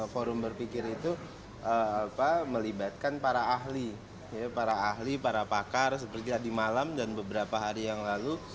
forum berpikir itu melibatkan para ahli para ahli para pakar seperti tadi malam dan beberapa hari yang lalu